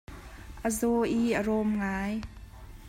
A zaw i a rawm ngai.